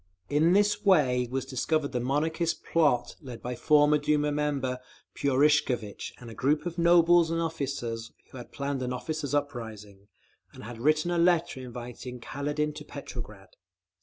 In this way was discovered the Monarchist plot led by former Duma member Purishkevitch and a group of nobles and officers, who had planned an officers' uprising, and had written a letter inviting Kaledin to Petrograd.